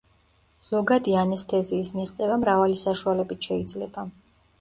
ზოგადი ანესთეზიის მიღწევა მრავალი საშუალებით შეიძლება.